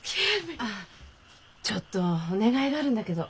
ちょっとお願いがあるんだけど。